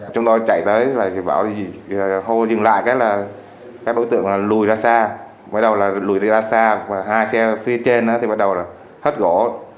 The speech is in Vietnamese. chúng tôi chạy tới bảo dừng lại các đối tượng lùi ra xa bắt đầu lùi ra xa hai xe phía trên bắt đầu hất gỗ